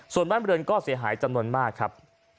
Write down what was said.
ส่วนบ้านเรือนก็เสียหายจำนวนมากครับ